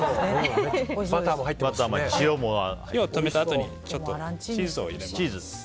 バターも入ってるし止めたあとにチーズを入れます。